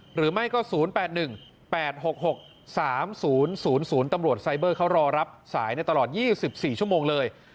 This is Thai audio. หรือไม่ก็๐๘๑๘๖๖๓๐๐ตำรวจไซเบอร์เขารอรับสายในตลอด๒๔ชั่วโมงเลย